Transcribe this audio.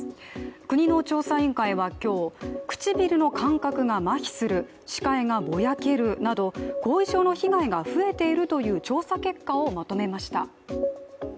国の調査委員会は今日、唇の感覚がまひする、視界がぼやけるなど後遺症の被害が増えているという調査結果をまとめました。